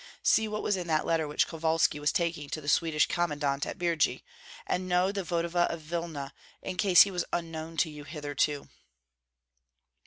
See what was in that letter which Kovalski was taking to the Swedish commandant at Birji, and know the voevoda of Vilna, in case he was unknown to you hitherto."